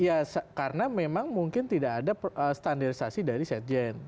ya karena memang mungkin tidak ada standarisasi dari setjen